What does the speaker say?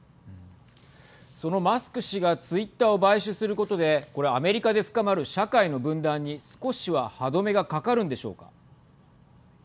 そのマスク氏がツイッターを買収することでこれアメリカで深まる社会の分断に少しは歯止めがかかるんでしょうか。